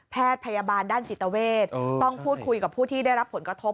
พยาบาลด้านจิตเวทต้องพูดคุยกับผู้ที่ได้รับผลกระทบ